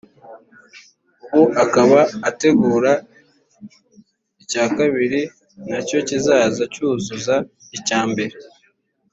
ubu akaba ategura icya kabiri na cyo kizaza cyuzuza icya mbere